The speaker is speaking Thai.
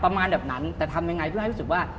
ประมาณแบบนั้นแต่ทำยังไงเพื่อให้รู้สึกว่า